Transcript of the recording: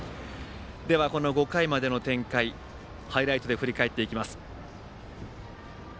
この５回までの展開ハイライトで振り返っていきます。